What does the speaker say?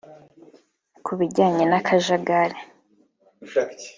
Ku bijyanye n’akajagari